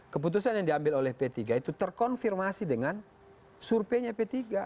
keputusan yang diambil oleh p tiga itu terkonfirmasi dengan surveinya p tiga